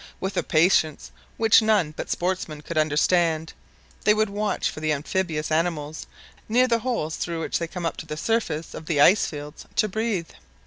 With a patience which none but sportsmen could understand, they would watch for the amphibious animals near the holes through which they come up to the surface of the ice field to breathe.